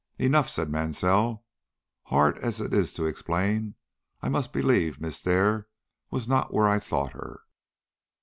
"Enough," said Mansell; "hard as it is to explain, I must believe Miss Dare was not where I thought her."